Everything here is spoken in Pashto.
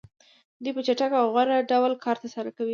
دوی په چټک او غوره ډول کار ترسره کوي